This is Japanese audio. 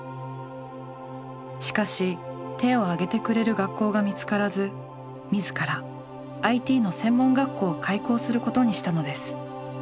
しかし手を挙げてくれる学校が見つからず自らＩＴの専門学校を開校することにしたのです。